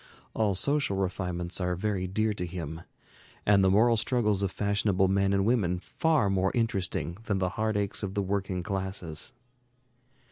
All social refinements are very dear to him, and the moral struggles of fashionable men and women far more interesting than the heart aches of the working classes.